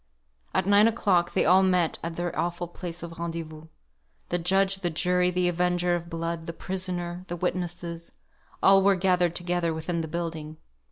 At nine o'clock they all met at their awful place of rendezvous. The judge, the jury, the avenger of blood, the prisoner, the witnesses all were gathered together within one building.